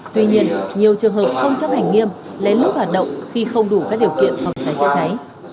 tuy nhiên nhiều trường hợp không chấp hành nghiêm lén lút hoạt động khi không đủ các điều kiện phòng cháy chữa cháy